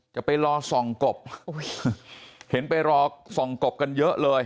จะไปรอส่องกบเห็นไปรอส่องกบกันเยอะเลย